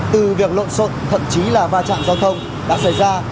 từ việc lộn xộn thậm chí là va chạm giao thông đã xảy ra